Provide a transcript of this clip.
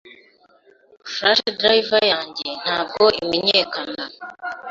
Flash Drive yanjye ntabwo imenyekana.